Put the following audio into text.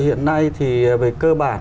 hiện nay thì về cơ bản